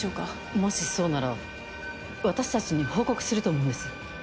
もしそうなら私たちに報告すると思うんです。